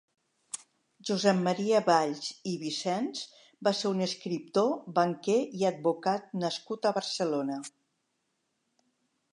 Josep Maria Valls i Vicens va ser un escriptor, banquer i advocat nascut a Barcelona.